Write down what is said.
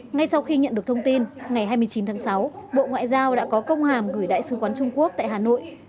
ngay sau khi nhận được thông tin ngày hai mươi chín tháng sáu bộ ngoại giao đã có công hàm gửi đại sứ quán trung quốc tại hà nội